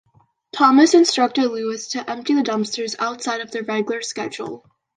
Thomas instructed Louis to empty the dumpsters outside of their regular schedule.